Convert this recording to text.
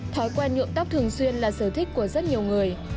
thói quen nhuộm tóc thường xuyên là sở thích của rất nhiều người